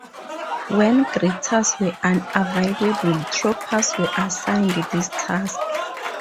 When greeters were unavailable, troopers were assigned this task.